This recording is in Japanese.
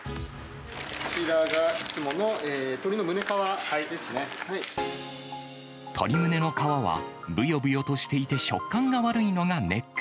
こちらがいつもの鶏の胸皮で鶏胸の皮は、ぶよぶよとしていて食感が悪いのがネック。